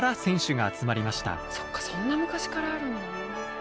そっかそんな昔からあるんだ。